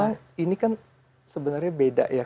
karena memang ini kan sebenarnya beda ya